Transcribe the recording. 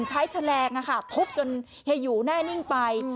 สลักนะคะถุกจนเฮยูแน่นิ่งไป